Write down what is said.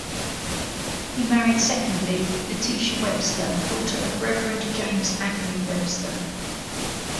He married secondly Letitia Webster, daughter of Reverend James Agnew Webster.